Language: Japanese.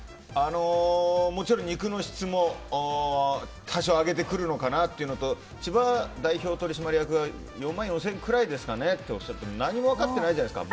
もちろん肉の質も多少上げてくるのかなというのと千葉代表取締役が４万４０００円ぐらいかなとおっしゃってて何も分かってないじゃないですか。